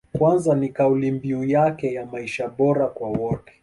Kwanza ni kaulimbiu yake ya maisha bora kwa wote